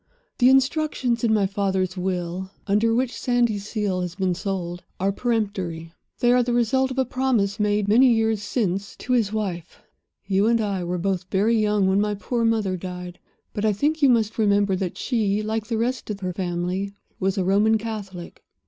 The instructions in my father's will, under which Sandyseal has been sold, are peremptory. They are the result of a promise made, many years since, to his wife. "You and I were both very young when my poor mother died; but I think you must remember that she, like the rest of her family, was a Roman Catholic.